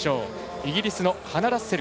イギリスのハナ・ラッセル。